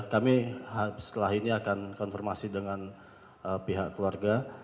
kami setelah ini akan konfirmasi dengan pihak keluarga